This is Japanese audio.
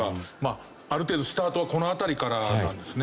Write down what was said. ある程度スタートはこの辺りからなんですね。